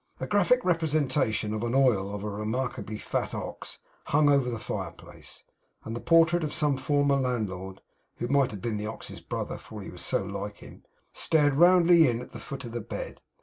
A graphic representation in oil of a remarkably fat ox hung over the fireplace, and the portrait of some former landlord (who might have been the ox's brother, he was so like him) stared roundly in, at the foot of the bed.